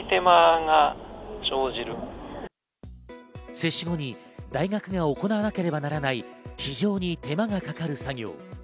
接種後に大学が行わなければならない非常に手間がかかる作業。